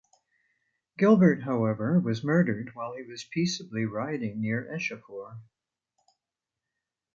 Gilbert however was murdered while he was peaceably riding near Eschafour.